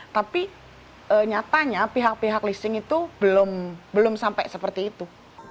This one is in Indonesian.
tapi nyatanya pihak pihak leasing itu belum sampai seperti itu